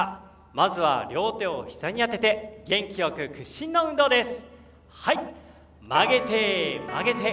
まずは両手をひざに当てて元気よく屈伸の運動です。